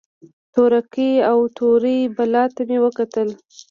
تورکي او تورې بلا ته مې وکتل.